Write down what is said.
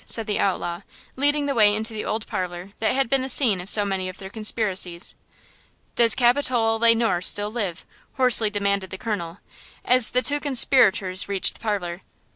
said the outlaw, leading the way into the old parlor that had been the scene of so many of their conspiracies. "Does Capitola Le Noir still live?" hoarsely demanded the colonel, as the two conspirators reached the parlor.